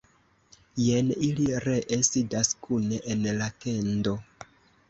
Jen ili ree sidas kune en la tendo!